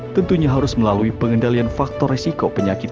tentunya harus melalui pengendalian faktor resiko penyakit